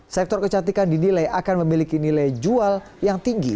sektor kecantikan dinilai akan memiliki nilai jual yang tinggi